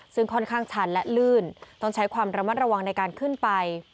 ซึ่งค่อนข้างชันและลื่นต้องใช้ความระมัดระวังในการขึ้นไป